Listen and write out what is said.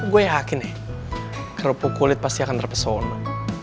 huh gue yakin nih kerupuk kulit pasti akan terpesona